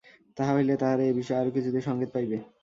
তাহা হইলে তাহারা এ-বিষয়ে আরও কিছু সঙ্কেত পাইবে।